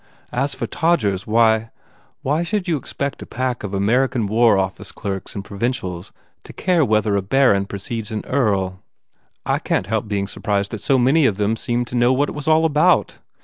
As for Todgers, why why should you expect a pack of American war office clerks and provincials to care whether a Baron precedes an Earl or no? I can t help being surprised that so 233 THE FAIR REWARDS many of them seemed to know what it was all about!